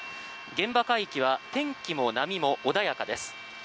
現場海域は天気も波も穏やかです。